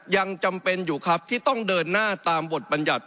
ยังจำเป็นอยู่ครับที่ต้องเดินหน้าตามบทบรรยัติ